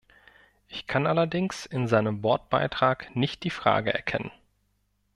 Ich kann allerdings in seinem Wortbeitrag nicht die Frage erkennen.